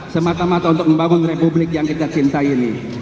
semata mata untuk membangun republik yang kita cintai ini